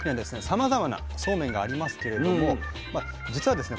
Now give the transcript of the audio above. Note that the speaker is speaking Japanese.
さまざまなそうめんがありますけれども実はですね